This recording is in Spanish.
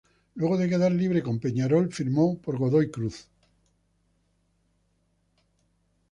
Luego de quedar libre con Peñarol, firmó por Godoy Cruz.